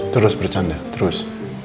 terus bercanda terus